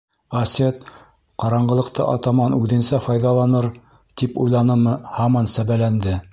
Асет, ҡараңғылыҡты атаман үҙенсә файҙаланыр, тип уйланымы, һаман сәбәләнде.